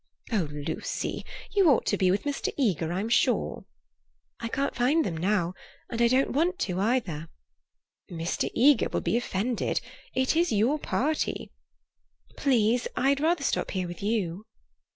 "Oh, Lucy, you ought to be with Mr. Eager, I'm sure." "I can't find them now, and I don't want to either." "Mr. Eager will be offended. It is your party." "Please, I'd rather stop here with you."